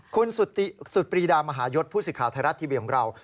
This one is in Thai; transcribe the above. คุณสุดปรีดามหายศผู้สื่อข่าวไทยรัฐทีวีของเรา